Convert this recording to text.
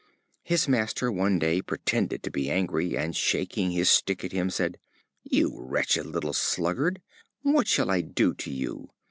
His master one day, pretending to be angry, and shaking his stick at him, said: "You wretched little sluggard! what shall I do to you?